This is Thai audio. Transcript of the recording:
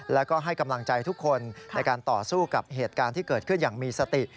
แล้วก็ให้กำลังใจทุกคนในการต่อสู้กับเหตุการณ์ที่เกิดขึ้นอย่างมีสติ